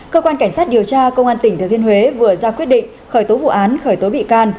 cơ quan cảnh sát điều tra công an tỉnh thừa thiên huế vừa ra quyết định khởi tố vụ án khởi tố bị can